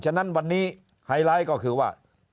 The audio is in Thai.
ฉะนั้นวันนี้ไฮไลท์ก็คือว่า